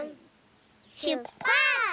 しゅっぱつ！